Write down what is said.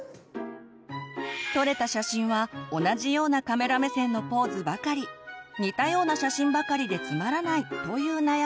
撮れた写真は同じようなカメラ目線のポーズばかり似たような写真ばかりでつまらないという悩みも。